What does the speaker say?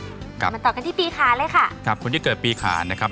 กลับมาต่อกันที่ปีขาเลยค่ะครับคนที่เกิดปีขานนะครับ